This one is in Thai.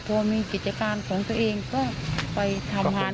ถ้ามีกิจการของตัวเองก็ไปทำหาของ